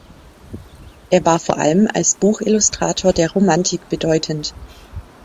Er war vor allem als Buchillustrator der Romantik bedeutend.